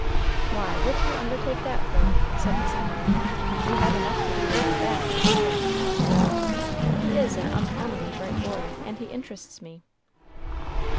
"Why, what do you undertake that for?" said Miss Emily. "You have enough to do without that, I'm sure." "He is an uncommonly bright boy, and he interests me."